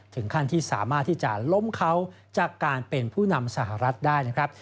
ถึงขั้นที่สามารถที่จะล้มเขาจากการเป็นผู้นำสหรัฐได้นะครับ